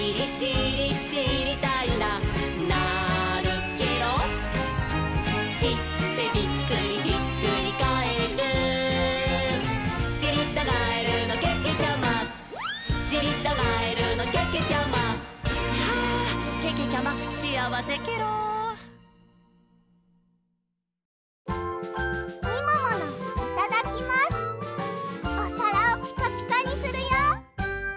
おさらをピカピカにするよ！